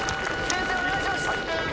先生お願いします。